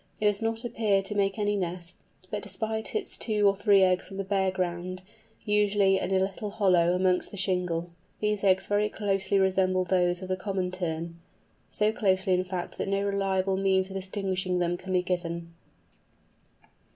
It does not appear to make any nest, but deposits its two or three eggs on the bare ground, usually in a little hollow amongst the shingle. These eggs very closely resemble those of the Common Tern; so closely in fact that no reliable means of distinguishing them can be given.